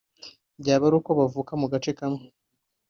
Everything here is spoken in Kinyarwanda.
byaba ari uko muvuka mu gace kamwe